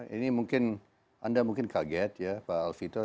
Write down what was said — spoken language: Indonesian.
ini mungkin anda mungkin kaget ya pak alvito